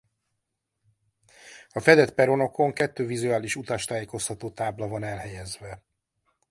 A fedett peronokon kettő vizuális utastájékoztató tábla van elhelyezve.